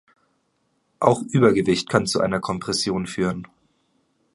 Auch Übergewicht kann zu einer Kompression führen.